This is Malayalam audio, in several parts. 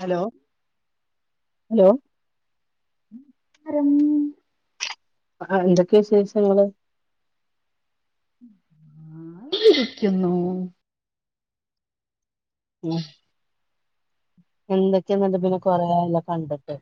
ഹലോ ഹലോ നമസ്കാരം ആഹ് എന്തൊക്കെയാ വിശേഷങ്ങള് ഞാൻ ഇവിടിരിക്കുന്നു ഉം എന്തൊക്കെയാന്നിട്ട് പിന്നെ കൊറേയായല്ലോ കണ്ടിട്ട്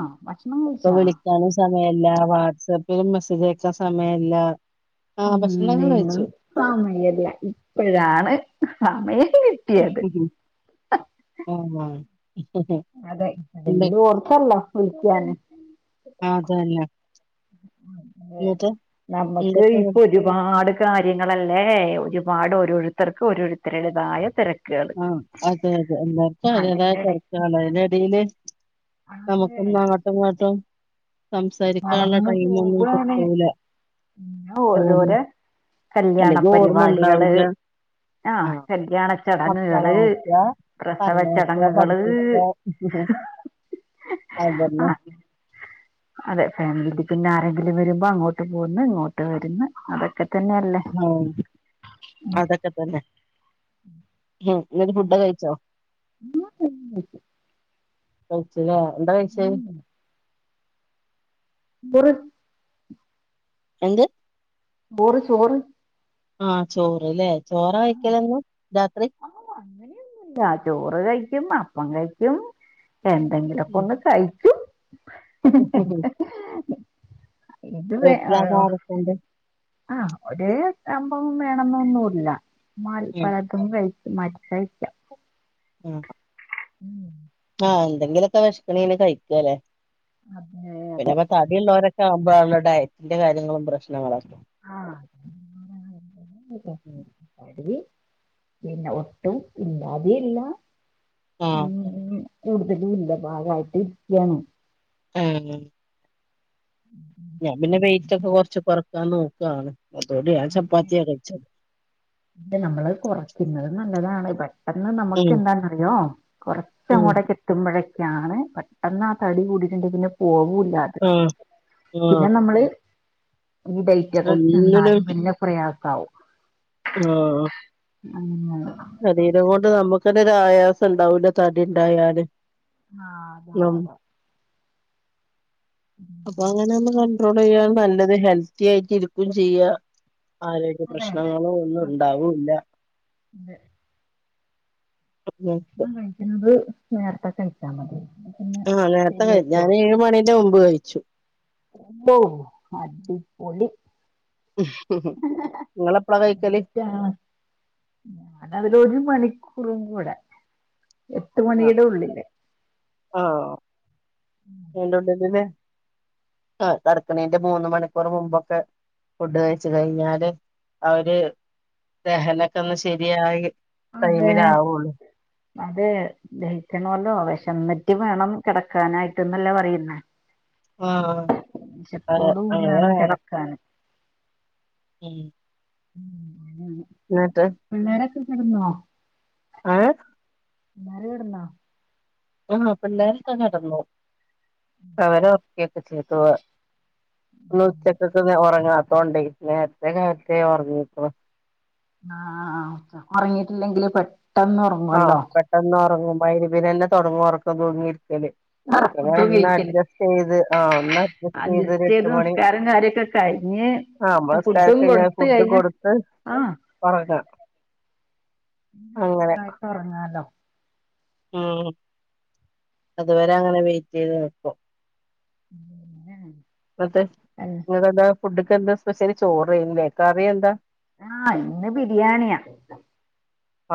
ആ ഭക്ഷണം ഇപ്പൊ കഴിച്ചാ വിളിക്കാണ് സമയല്ല വാട്സ് ആപ്പിലും മെസ്സേജ് ആയക്കാൻ സമയില്ല ആഹ് ഭക്ഷണം ഒക്കെ കഴിച്ചു സമയ്യല്ല ഇപ്പോഴാണ് സമയം കി ആന്നോ അതെ അതെങ്കിലും ഓർത്തല്ലോ വിളിക്കാന് അതന്നെ അതെ എന്നിട്ട് നമ്മുക്ക് എന്തൊക്കെ ഇപ്പൊ ഒരുപാട് കാര്യങ്ങളല്ലേ ഒരുപാട് ഓരോരുത്തർക്ക് ഓരുത്തരുടേതായ തിരക്ക് ആഹ് അതെ അതെ എല്ലാർക്കും അവരുടേതായ അതിന്റെ ഇടയ്ക്ക് തെരക്കലാണ് അതിനെടയില് നമുക്കെന്ന അങ്ങോട്ടും ഇങ്ങോട്ടും സംസാരിക്കാനുള്ള മറന്ന് ടൈം ഒന്നും പോവാണ് കിട്ടൂല പിന്നെ അതന്നെ ഓരോരെ കല്ല്യാണ അല്ലെങ്കിൽ ഓർമ്മ പരിപാടികള് ഉണ്ടാവില്ല ആഹ് കല്യാണ ചടങ്ങുകള് മക്കളെനോക്ക പറഞ്ഞയക്ക പ്രസവച്ചടങ്ങുകള് പടുപ്പിക്ക അതന്നെ ആഹ് അതെ ഫാമിലിൽ പിന്നെ ആരെങ്കിലും വരുമ്പോ അങ്ങോട്ട് പോന്നു ഇങ്ങോട്ട് വരുന്ന് അതൊക്കെ തന്നെയല്ലേ ആഹ് അതൊക്കെ തന്നെ ഉം എല്ലാരും ഫുഡ് കഴിച്ചോ [unintelligible] കഴിച്ചല്ലോ എന്താ കഴിച്ച് ഉം ചോറ് എന്ത്? ബോറ് ചോറ് ആഹ് ചോറ്ല്ലേ ചോറാ കഴിക്കലെന്നും രാത്രി. ആഹ് അങ്ങനെയൊന്നുല്ല ചോറ് കഴിക്കും അപ്പം കഴിക്കും. എന്തെങ്കിലുക്കെ ഉം. ഒന്ന് കഴിക്കും ഇത് വേ വീട്ടിലാകെ ആരെക്കൊണ്ട്? ആഹ് ഒരേ സംഭവം വേണംന്നൊന്നുല്ല മാൽ ഉം പഴം ചിക്കൻ കഴിച്ച് മര്തായിര്ക്ക ഉം ഉം ആഹ് എന്തെങ്കിലൊക്കെ വെശക്കണേന് കഴിക്കല്ലെ അതെ അതെ പിന്നെപ്പൊ തടിള്ളോരൊക്കെ ആവുമ്പഴാണല്ലോ ഡയറ്റിന്റെ കാര്യങ്ങളും പ്രശ്നങ്ങളൊക്കെ [unintelligible] പിന്നെ ഒട്ടും ഇല്ലാതെയില്ല ആഹ് ഉം കൂടുതലും ഇല്ല പാകായിട്ടിരിക്കാണ്. ഏഹ് ഞാൻ പിന്നെ വെയിറ്റൊക്കെ കൊറച്ച് കൊറക്കാനോക്കാണ് അതോണ്ട് ഞാൻ ചപ്പാത്തിയാ കഴിച്ചത്. ദെ നമ്മള് കുറയ്ക്കുന്നത് നല്ലതാണ് പ കന്ന് ഉം നമുക്ക് എന്താന്നറിയോ ഉം കൊറച്ചങ്ങോട്ടെക്ക ത്തുമ്പോഴേക്കാണ് പെട്ടെന്ന് ആ തടി കൂടിട്ട്ണ്ടങ്കില് പോകൂല്ല. ഏഹ് ആഹ് ഈ ഡൈറ്റൊക്ക ഒന്നിനും ന്നാലും പിന്നെ പ്രയാസാവും ആഹ് അങ്ങനെ ശരീരം കൊണ്ട് നമുക്ക്ന്നെ ഒരു ആയാസം ണ്ടാവൂല തടിണ്ടായാല്. ആഹ് അതെ അതെ അപ്പൊ അങ്ങനെ ഒന്ന് കണ്ട്രോളയ്യാ നല്ലത് ഹെൽത്തി ആയിട്ട് ഇരിക്കും ചെയ്യാ. ആരോഗ്യ അതെ അതെ പ്രശ്നങ്ങളോ ഒന്നും അതെ അതെ ഉണ്ടാവൂല്ല. നേരത്തെ ഭഷ്ണം കഴിക്ക്‌ന്നത് നേര്ത്തെ കഴിച്ചാ മതി. പിന്നെ ആഹ് നേരത്തെ ക ശരിയായിക്കോളും ഞാനേഴ് മണിന്റെ മുമ്പ് കഴിച്ചു. ഉവ്വോ അടിപൊളി. മ്ഹ്ഹ് നിങ്ങള എപ്പളാ കഴിക്കല്? റ്റാണ് ഞാനതിലൊരു മണിക്കൂറും കൂടെ. എട്ട് മണിടെ ഉള്ളില്. ആഹ് [unintelligible] ആഹ് കടക്കണിന്റെ മൂന്ന് മണിക്കൂർ മുമ്പൊക്കെ. ഫുഡ് കഴച്ച് കഴിഞ്ഞാല് ആ ഒര് ദഹനൊക്കെ ഒന്ന് ശരിയായി. അതെ ടൈമിലാവുള്ളൂ അതെ ദഹിക്കണോല്ലോ വിശന്നിട്ട് വേണം കിടക്കാനായിട്ട്ന്നല്ലേ പറയുന്നേ. ആഹ് വിശപ്പോടുകൂടി വേണം കിടക്കാന്. ഏഹ് [unintelligible] ന്നട്ട് പിള്ളേരൊക്കെ കെടന്നോ? അഏഹ് ളാര്കട്ന്നോ ആഹ്‌ പിള്ളേരൊക്കെ കടന്നു അവര ഒർക്കിയൊക്കെ ചെയ്തുവ ന്ന് ഉച്ചകൊക്കെ ഒറങ്ങാത്തോണ്ടേ നേരത്തെ കാലത്തെ ഒറങ്ങിക്ണ് ആഹ്‌ ആഹ് ആഹ് ച്ചക്ക്‌ ഒറങ്ങിട്ടില്ലെങ്കില് പെട്ടെന്ന് ഒറ ആഹ്‌ പെട്ടെന്ന് ഒറങ്ങും മൈരിബ്നെന്നെ തൊടങ്ങും ഒറക്കം തൂങ്ങി ഇരിക്കല് പിനെ ഫുഡും ഒന്ന് കഴിക്കല് അഡ്ജസ്റ്റെയ്ത് ആഹ്‌ ഒന്ന് അഡ്ജസ്റ്റെയത് അഡ്ജസ്റ്റ് ഒരട്ട് ചെയ്ത് മണി നിസ്കാരം കാര്യൊക്കെ കഴിഞ്ഞ് ആഹ്‌ മ്മളെ ഫുഡും സ്ക്കാരൊക്കെ കഴിഞ്ഞാ കൊടുത്ത് ഫുഡ് കഴിഞ്ഞ കൊടുത്ത് ആ ഒറങ്ങാ കായിട്ടൊറങ്ങാലോ ഉം അതുവരെ അങ്ങനെ വെയിറ്റീത് നിക്കും [unintelligible] ന്ന്ട്ട് ഇന്ന്ട്ടെതാ ഫുഡ്ക്കെന്താ സ്പെഷ്യല് ചോറേനിലേ കറി എന്താ ആഹ് ഇന്ന് ബിരിയാണിയാ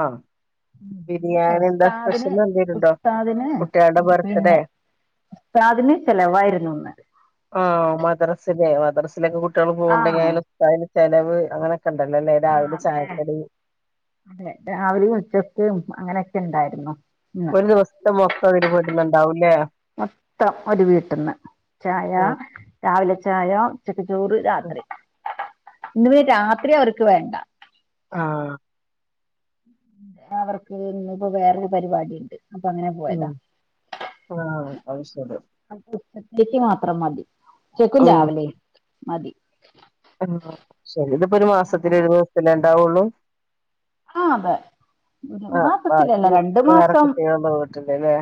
ആഹ്‌ ഇന്ന് ബിരിയാണി എന്താ ഉസ്താദിന് സ്പെഷ്യലെന്തേലുണ്ടോ ഉസ്താദിന് കുട്ട്യാള്ടെ ബർത്ത്ഡേ പിന്നെ ഉസ്താദിന് ചെലവായിരുന്നു ഇന്ന് ആഹ്‌ മദ്റസ് ലെ മദ്റസിലേക്ക് കുട്ട്യാള് പോവ്ണ്ടെങ്കി ആഹ് അയിലെ ഉസ്താതിന് ചെലവ് അങ്ങനെ ക്കെ ഇണ്ടലോല്ലേ രാവിലെ ചായക്കടി അങ്ങനെ രാവിലിം ഉച്ചക്കും അങ്ങനെക്കെ ഇണ്ടാരുന്നു ഒര് ദിവസ്ത്ത മൊത്തം അതില് പെട്ണ് ണ്ടാവുല്ലെ മൊത്തം ഒരു വീട്ട്ന്ന് ചായ ആഹ് രാവില ച്ചായ ഉച്ചക്ക് ചോറ് രാത്രി ഇന്ന് രാത്രി അവർക്ക് വേണ്ട ആഹ്‌ ഇന്ന് അവർക്ക് ഇന്ന്പ്പൊ വേറൊരു പരിവാടി ഇണ്ട് അപ്പ അങ്ങനെ പോയതാ ഉം ആഹ് അത് ശരി അപ്പൊ ഉച്ചതേക്ക് മാത്രം മതി ഉച്ചക്കും രാവിലിം മതി ആഹ്‌ ശരി ഇത്പ്പോ ഒരു മാസത്തില് ഒരു ദിവസല്ലെ ഇണ്ടാവൊള്ളു ആഹ്‌ അതെ ഒരു മാസത്തിലല്ല ബാക്കി രണ്ട് വേറെ മാസം കുട്ടികളുടെ വീട്ടിലല്ലേ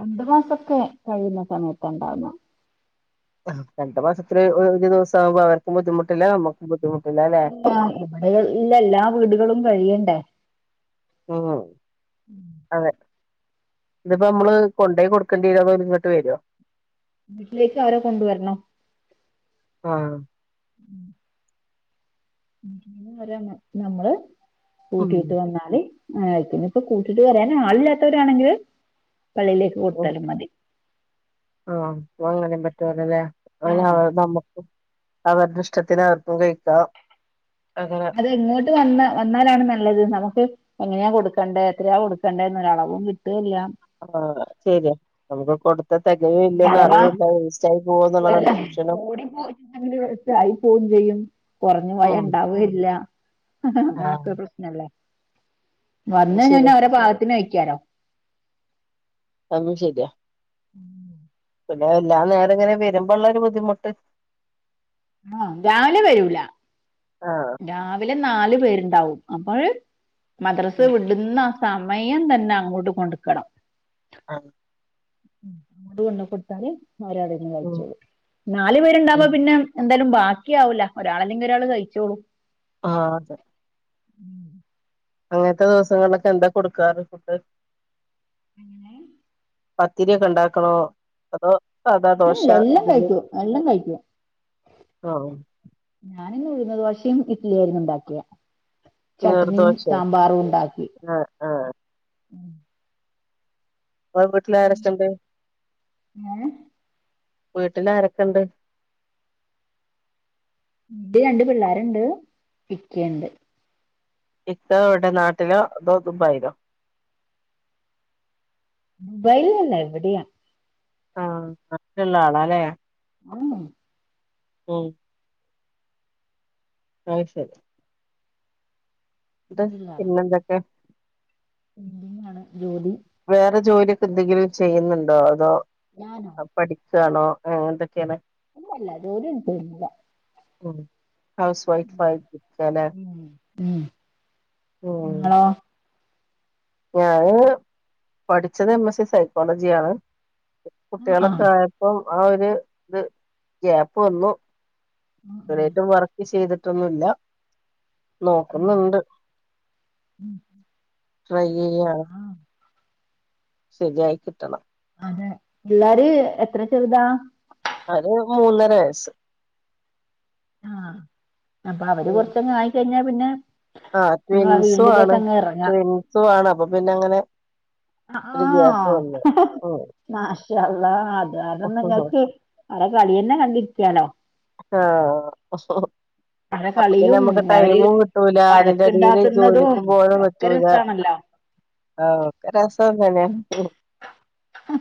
രണ്ട് മാസൊക്കെ കഴിയുന്ന സമയത്ത ഇണ്ടാ ആഹ് രണ്ട് മാസത്തില് ഒരു ഒരു ദിവസാവുബോ അവർക്കും ബുദ്ധിമുട്ടില്ല നമ്മക്കും ബുദ്ധിമുട്ടില്ലല്ലേ ആഹ് ഇവിടെ ഇല്ല എല്ലാ വീട്കളും കഴിയണ്ടേ ഉം അതെ ഇത്പ്പോ നമ്മള് കൊണ്ടേയി കൊടുക്കണ്ടേരോ അതോ ഓല് ഇങ്ങട്ട് വെരോ വീട്ടിലേക്ക് അവരെ കൊണ്ടുവര്ണം ആഹ്‌ മ് അവരെ നമ്മള് ഉം കൂട്ടീട്ട് വന്നാല് മേ പിന്നെ ഇപ്പോ കൂട്ടിട്ട് വരാന് ആളില്ലാത്തവരാണെങ്കില് പള്ളിയിലേക്ക് കൊടുത്താലും മതി ആഹ്‌ അപ്പോ അങ്ങനിം പറ്റൊലൊല്ലേ ആ അതാ നമ്മ അവര്ടെ ഇഷ്ടത്തിന് അവർക്കും കഴിക്കാം അങ്ങനെ ഇത് ഇങ്ങോട്ട് വന്ന് വന്നാലാണ് നല്ലത് നമുക്ക് എങ്ങനെയാ കൊടുക്കെണ്ടേ എത്രയാ കൊടുക്കെണ്ടേ എന്നരളവും കിട്ടേല്ല്യ ആഹ്‌ ശെര്യാ നമുക്ക് കൊടു ഇഞ് അഥവാ പോവോന്നുള്ള വല്ല കൺഫ്യൂഷനും കൂടി പോയിട്ട്ണ്ടെങ്കി വേസ്റ്റ് ആയിപോവും ചെയ്യും കൊറഞ്ഞു പോയാ ഉം ഇണ്ടാവേല്ല ആഹ് അങ്ങനൊക്കെ ന്നലേ വന്ന് അത് കഴിഞ്ഞ പിന്നെ ശരിയാ ഓര പാകത്തിന് കഴിക്കാലോ അതും ശെര്യ ഉം പിന്നെ എല്ലാ നേരം ഇങ്ങനെ വെരുബള്ളരു ബുദ്ധിമുട്ട് ആഹ്‌ രാവിലെ വരൂല ആഹ് രാവിലെ നാല് പേര്ണ്ടാവും അപ്പഴ് മദ്രസ് വിട്ന്ന ആ സമയം തെന്നെ അങ്ങോട്ട് കൊട്ക്കണം ആഹ് ഉം കൊണ്ടു കൊടുത്താല് ഓരവടെ ഉം കഴിച്ചോളും നാല് പേര്ണ്ടാവുമ്പൊ ഉം പിന്നെ എന്താലും ബാക്കിയാവുല്ല ഒരാളെല്ലെങ്കി ഒരാള് കഴിച്ചോളും ആഹ് അതെ അങ്ങൻത്തെ ദിവസങ്ങളിലൊക്കെ എന്താ കൊടുക്കാറ് ഫുഡ് എങ്നെ പത്തിരിയൊക്കെണ്ടാക്കണോ? അതോ സാധാ ദോശ, എല്ലാം ഇഡ്ഢിലി കഴിക്കും എല്ലാം കഴിക്കും ആഹ് ഞാനിന്ന് ഉഴുന്ന് ദോശിം ഇഡ്ലിയേരുന്നു ഉണ്ടാക്ക്യേ. ചട്നിം നീർദോശേ സാമ്പാറും ഉണ്ടാക്കി. ആഹ് ആഹ് ഇങ്ങളെ വീട്ടിലാരൊക്കെണ്ട്? ഏഹ് വീട്ടിലാരൊക്കെണ്ട്? ഇണ്ട് രണ്ട് പിള്ളേര്ണ്ട് ഇക്കീണ്ട്. ഇക്ക എവടെ നാട്ടിലോ അതോ ദുബായിലോ? ദുബായിലല്ല ഇവിടെയാ. ആഹ് നാട്ടില്ള്ള ആളാല്ലേ. ഊംഉം ഉം ആയ്ശരി ന്ന്ട്ട് പിന്നെന്തൊക്കെ? പെയിൻ്റിങാണ് ജോലി. വേറെ ജോലിയൊക്കെ എന്തെങ്കിലും ചെയ്യുന്നുണ്ടോ അതോ. ഞാനൊ? പഠിക്കാണോ അങ്ങനെന്തൊക്കേണ്? ഇല്ലല്ല ജോലിയൊന്നും ചെയ്യ്ണില്ല. ഉം ഹൗസ് വൈഫ് ഉം ആയിട്ട് ഇരിക്കാല്ലേ ഉം ഉം ങ്ങളോ? ഞാനിങ്ങനെ പഠിച്ചത് എം എസ് സി സൈക്കോളജിയാണ്. ആ ആ കുട്ടികളൊക്കായ പ്പൊം ആ ഒരു ത് ഗ്യാപ്പ് വന്നു. ആ ആ ഇത്രായിറ്റും വർക്ക് ചെയ്ത് ട്ടൊന്നുല്ല ഉം നോക്കുന്നുണ്ട്. ഉം ട്രൈ ചെയ്യാണ്. ആ സെര്യായി കിട്ടണം. അതെ പിള്ളാര് എത്ര ചെറ്താ? അത് മൂന്നര വയസ്സ്. ആഹ്. അപ്പ അവര് ഉം കൊറച്ചങ്ങ് ആയിക്കഴിഞ്ഞാ പിന്നെ ആഹ് നിങ്ങളെ ട്വിൻസു ഫീൽഡിലേക്ക് ആണ് അങ്ങ് ഇറങ്ങാം ട്വിൻസു ആണ്. അപ്പൊ പിന്നങ്ങനെ ഒരു ഗ്യാപ്പ് വന്ന്ണ് ഉം മാശാ അള്ളാ. അത് കാരണം ആഹ് നിങ്ങക്ക് ഓരെ കളിയെന്നെ കണ്ടിരിക്ക്യാലോ. ആഹ്. അവരെ അപ്പ പിന്നെ കളിയും നമ്മക്ക് അവര് ടൈമും കിട്ടൂല അതിന്റെടീല് വഴക്കുണ്ടാക്കുന്നതും ജോലിക്ക് പോവലും ഒക്കെ പറ്റൂല. രസാണല്ലോ ആഹ് ഒക്കെ രസം തന്നേണ്.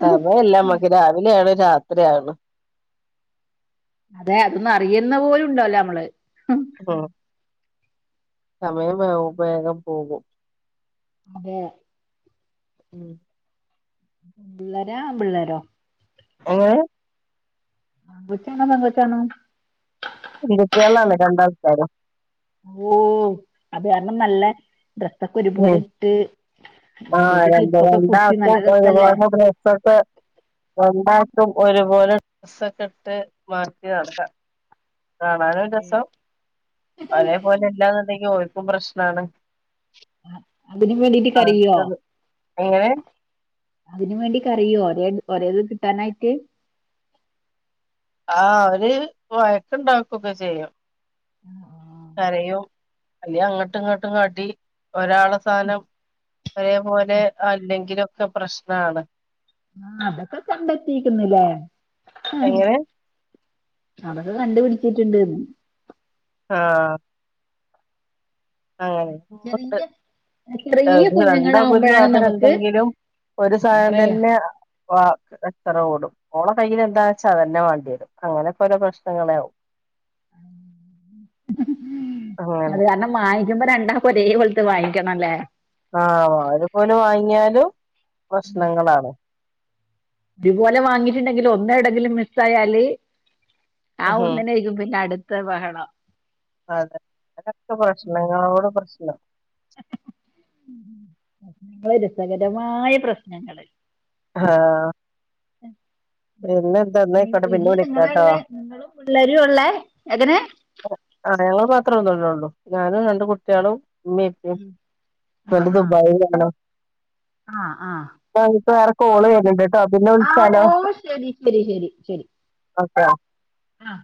സമയല്ല നമ്മക്ക് രാവിലേണ് രാത്രിയാവ്ണ്. അതെ. അതൊന്നറിയെന്നെ പോലുണ്ടാവില്ല നമ്മള്. ഉം സമയം ബേഗും ബേഗം പോകും അതെ ഉം പെമ്പിള്ളേരാ ആൺപിള്ളേരോ? എങ്ങനെ? ആങ്കൊച്ചാണോ പെങ്കൊച്ചാണോ? പെങ്കുട്ട്യേളാണ് രണ്ടാൾക്കാരും. ഓ അത് കാരണം നല്ല ഡ്രസ്സൊക്കെ ഒരുപോലെട്ട് ആ രണ്ട് രണ്ടാൾക്കും രസല്ലേ ഒരുപോലെ ഡ്രെസ്സ്ട്ട് ഒന്നായിട്ടും ഒരുപോലെ ഡസ്സക്കെ ഇട്ട് മാറ്റി നടക്കാം കാണാനും രസം ഒരേപോലെ ഇല്ലാന്നുണ്ടെങ്കിഓ ക്കും പ്രശ്നാണ് അതിന് വേണ്ടിട്ട് കരിയുവോ അവർക്കത് എങ്ങനെ അതിനന് വേണ്ടിക്ക് കരയോ ഒര ഒരേത് കിട്ടാനായിട്ട് ആഹ് അവര് വയക്കുണ്ടാക്കൊക്കെ ചെയ്യും [inaudible] കരയും അല്ല അങ്ങോട്ടും ഇങ്ങോട്ടും കാട്ടി ഒരാള സാധാനം ഒരേപോലെ അല്ലെങ്കിലൊക്കെ പ്രശ്നമാണ് ആഹ് അതൊക്കെ കണ്ടെത്തിക്കിന്നില്ലേ ഹ്‌ എങ്ങനെ അതൊക്കെ കണ്ടുപിടിച്ചിട്ടുണ്ട്ന്ന് ആഹ് അങ്ങനെ കോട്ട് ചെറിയ ചെറിയ രണ്ടാൾക്കും ഒരു കുഞ്ഞുങ്ങളാവുമ്പോഴാണ് സാധനം നമുക്ക് ഉണ്ടെങ്കിലും ഒരു സാധനം പറയാ തന്നെ വ എച്ചറ ഓടും ഓള കയ്ൽ എന്താ വെച്ചാ അത തന്നെ വേണ്ടിയത് അങ്ങനെ പല പ്രശ്നങ്ങളെ ആകും ഹ്‌ ഹ്‌ അങ്ങനെ അത് കാരണം വാങ്ങിക്കുമ്പോ രണ്ടാ ഒരേ പോലെ ലത്ത് വാങ്ങിക്കണംല്ലേ ആഹ് ഒര പോലെ വാങ്ങിയാലും പ്രശണങ്ങളാണ് ഇതുപോലെ വാങ്ങിട്ടുണ്ടെങ്കിൽ ഒന്ന എടങ്കിലും മിസ് ആയല് ആ ഉം ഒന്നിനായിരിക്കും പിന്നെ അടു ത്ത ബഹളം അതെ അതൊക്കെ പ്രശ്ണങ്ങളോടെ പ്രശ്നം വളരെ രസകരമായ പ്രശ്നങ്ങള് ഹ്‌ആഹ് എ ന്നായിക്കോട്ടെ പിന്നെ ഇല് നിങ്ങളെ വിളിക്കാട്ടോ ഉള്ള നിങ്ങളും പിള്ളേരും ഉള്ളേ എങ്ങനെ ആഹ് ഞങ്ങള്ൾ മാത്രമന്നോല്ലള്ളൂ ഞാനും രണ്ട് കുട്ടികളും ഉമ്മയും ഉപ്പയും ഉം. ഹസ്ബന്റ് ദുബായിലാണ് ആഹ് ആഹ് ആ ഇപ്പൊ വേറെ കോള് വരുന്നുണ്ട് പിന്നെവിളി ച്ചാലോ പ്പോ ശരി ശരി ശരി ശരി ഓക്കെ ആഹ്